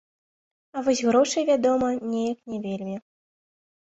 А вось грошай, вядома, неяк не вельмі.